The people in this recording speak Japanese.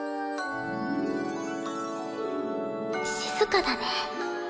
静かだね。